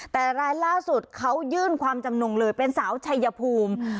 แต่รายล่าสุดเขายื่นความจำนงเลยเป็นสาวชัยภูมิ